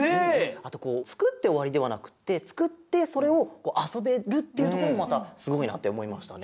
あとつくっておわりではなくってつくってそれをあそべるっていうところもまたすごいなっておもいましたね。